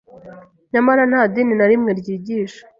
Nyamara nta dini na rimwe ryigisha